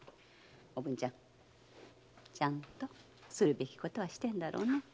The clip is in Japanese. おぶんちゃん。ちゃんとするべきことはしてんだろうね？